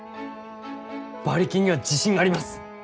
馬力には自信あります！